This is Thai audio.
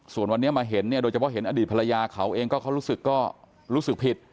ส่วนวันนี้มาเห็นโดยเฉพาะเห็นอดีตภรรยาเขาเองก็เขารู้สึกผิด